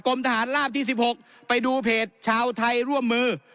กลมทหารลาบที่สิบหกไปดูเพจชาวไทยร่วมมือ